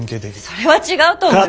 それは違うと思います。